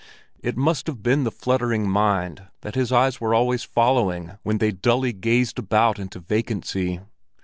It must have been the fluttering mind that his eyes were always following when they dully gazed about into vacancy.